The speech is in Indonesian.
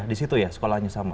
di situ ya sekolahnya sama